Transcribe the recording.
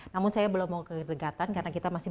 namun saya belum mau ke dekatan karena kita masih